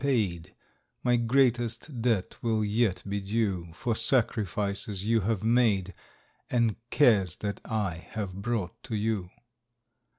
'* 7^0 My greatest debt will yet be due For sacrifices you bave made And cares that I have brought to you.